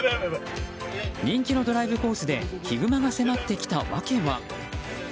人気のドライブコースでヒグマが迫ってきた訳は。